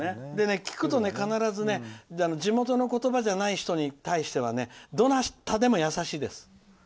聞くと必ず地元の言葉じゃない人に対してはどなたでも優しいです。